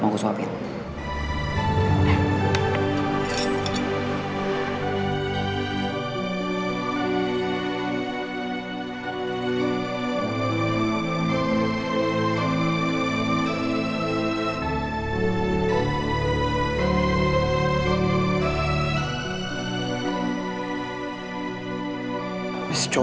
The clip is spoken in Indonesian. jangan sedih lagi ya